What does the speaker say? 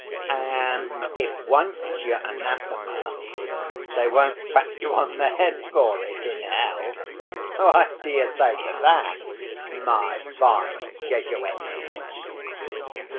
And if once you're anathema they won't pat you on the head for it in hell. What do you say to that, my fine Jesuit?"